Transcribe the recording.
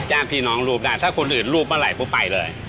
จ้างพี่น้องรูปได้ท่านถ้าคนอื่นรูปเมื่อไหร่พูดไปเลย